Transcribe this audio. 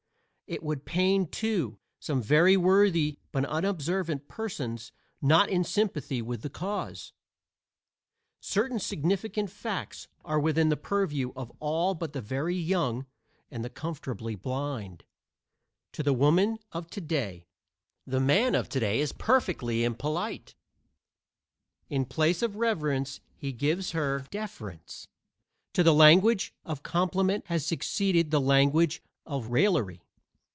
It would pain, too, some very worthy but unobservant persons not in sympathy with "the cause." Certain significant facts are within the purview of all but the very young and the comfortably blind. To the woman of to day the man of to day is imperfectly polite. In place of reverence he gives her "deference"; to the language of compliment has succeeded the language of raillery.